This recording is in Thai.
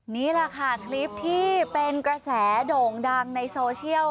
นี่แหละค่ะคลิปที่เป็นกระแสโด่งดังในโซเชียล